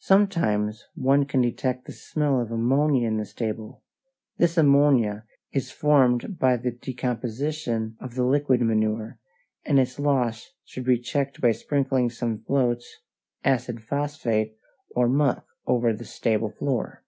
Sometimes one can detect the smell of ammonia in the stable. This ammonia is formed by the decomposition of the liquid manure, and its loss should be checked by sprinkling some floats, acid phosphate, or muck over the stable floor.